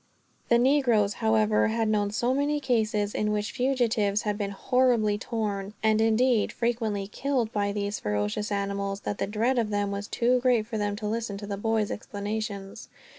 The negroes, however, had known so many cases in which fugitives had been horribly torn, and indeed, frequently killed, by these ferocious animals, that the dread of them was too great for them to listen to the boys' explanations.